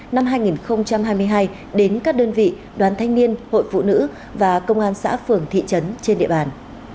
năm hai nghìn hai mươi hai đến các đơn vị đoàn thanh niên hội phụ nữ và công an xã phường thị trấn trên địa bàn